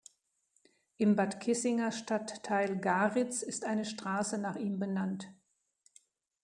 Im Bad Kissinger Stadtteil Garitz ist eine Straße nach ihm benannt.